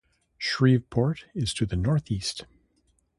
Shreveport is to the northeast.